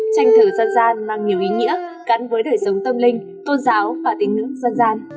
tranh thủ dân gian mang nhiều ý nghĩa gắn với đời sống tâm linh tôn giáo và tín ngưỡng dân gian